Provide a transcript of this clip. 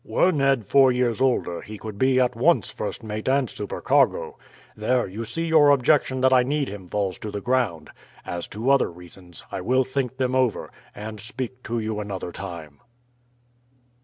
Were Ned four years older he could be at once first mate and supercargo. There, you see your objection that I need him falls to the ground. As to other reasons I will think them over, and speak to you another time."